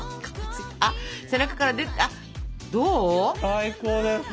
最高です。